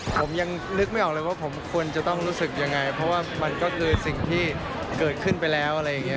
ผมยังนึกไม่ออกเลยว่าผมควรจะต้องรู้สึกยังไงเพราะว่ามันก็คือสิ่งที่เกิดขึ้นไปแล้วอะไรอย่างนี้